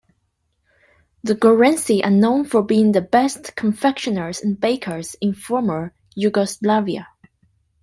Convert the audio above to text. The Goranci are known for being "the best confectioners and bakers" in former Yugoslavia.